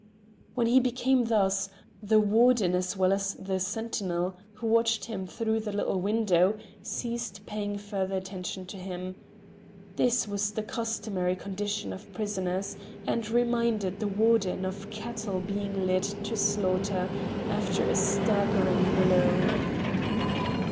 When he became thus, the wardens as well as the sentinel who watched him through the little window, ceased paying further attention to him. This was the customary condition of prisoners, and reminded the wardens of cattle being led to slaughter after a staggering blow.